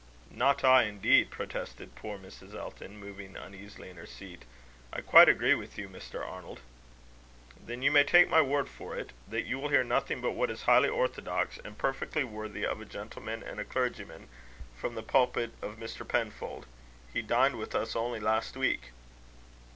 "Not I, indeed!" protested poor Mrs. Elton, moving uneasily in her seat; "I quite agree with you, Mr. Arnold." "Then you may take my word for it, that you will hear nothing but what is highly orthodox, and perfectly worthy of a gentleman and a clergyman, from the pulpit of Mr. Penfold. He dined with us only last week."